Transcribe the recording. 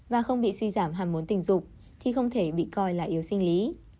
và không bị suy giảm hàm muốn tình dục thì không thể bị coi là yếu sinh lý